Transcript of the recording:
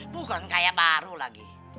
bukan kaya baru lagi